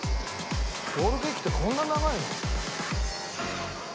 ロールケーキってこんな長いの？